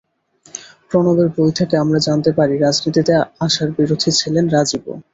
প্রণবের বই থেকে আমরা জানতে পারি, রাজনীতিতে আসার বিরোধী ছিলেন রাজীবও।